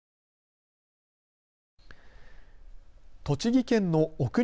栃木県の奥